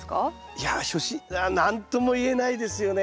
いや初心何とも言えないですよね。